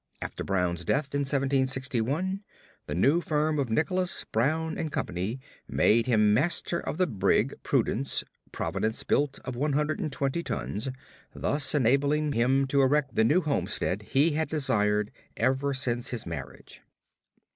After Brown's death in 1761, the new firm of Nicholas Brown & Company made him master of the brig Prudence, Providence built, of 120 tons, thus enabling him to erect the new homestead he had desired ever since his marriage.